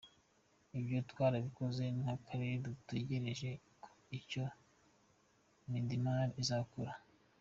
Ibyo twarabikoze nk’Akarere dutegereje ko icyo Midimar izakora.